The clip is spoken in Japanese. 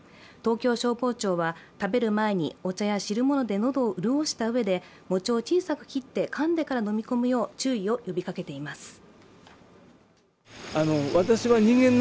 東京消防庁は食べる前にお茶や汁物で喉を潤したうえで餅を小さく切ってかんでから飲み込むよう注意を呼びかけています。